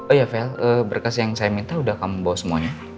oh ya vel berkas yang saya minta udah kamu bawa semuanya